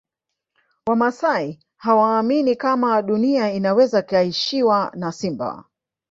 Wamasai hawaamini kama Dunia inaweza ikaishiwa na simba